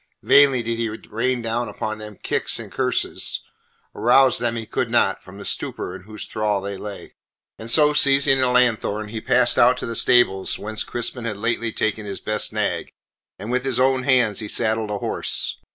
Vainly did he rain down upon them kicks and curses; arouse them he could not from the stupor in whose thrall they lay. And so, seizing a lanthorn, he passed out to the stables, whence Crispin had lately taken his best nag, and with his own hands he saddled a horse.